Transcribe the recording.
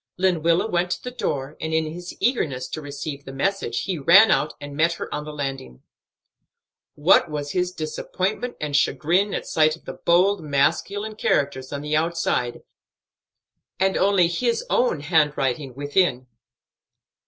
Lenwilla went to the door, and in his eagerness to receive the message he ran out and met her on the landing. What was his disappointment and chagrin at sight of the bold, masculine characters on the outside, and only his own handwriting within!